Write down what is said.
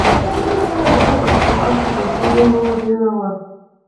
غوښه په دسترخوان کې تر ټولو ډېره وه.